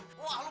tembak aja dong